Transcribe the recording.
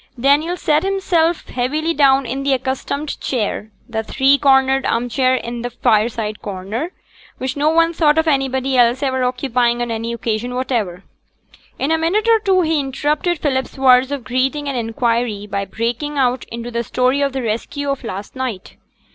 Daniel sate himself heavily down in his accustomed chair, the three cornered arm chair in the fireside corner, which no one thought of anybody else ever occupying on any occasion whatever. In a minute or two he interrupted Philip's words of greeting and inquiry by breaking out into the story of the rescue of last night.